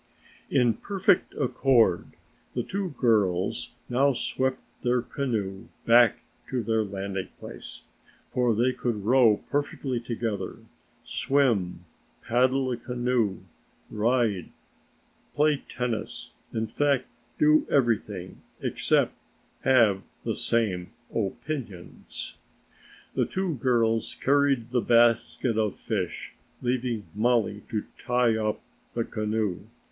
In perfect accord the two girls now swept their canoe back to their landing place, for they could row perfectly together, swim, paddle a canoe, ride, play tennis, in fact do everything except have the same opinions. The two girls carried the basket of fish, leaving Mollie to tie up the canoe.